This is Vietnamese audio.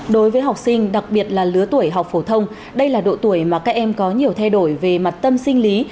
đối với học sinh đặc biệt là lứa tuổi học phổ thông đây là độ tuổi mà các em có nhiều thay đổi về mặt tâm sinh lý